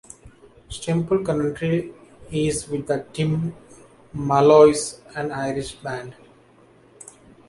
Stemple currently is with the Tim Malloys, an Irish band.